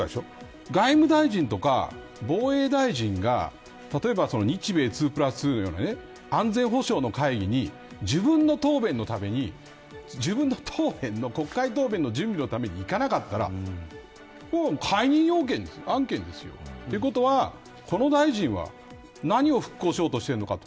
例えばですよ、外務大臣とか防衛大臣が例えば日米２プラス２や安全保障の会議に自分の答弁のたびに自分の国会答弁の準備のために行かなかったら解任案件ですよ。ということは、この大臣は何を復興しようとしてるのか。